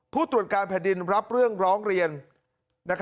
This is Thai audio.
ผู้ตรวจการแผ่นดินรับเรื่องร้องเรียน